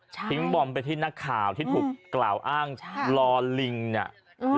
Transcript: ทิ้งบอมไปที่นักข่าวที่ถูกกล่าวอ้างรอลิงเนี่ย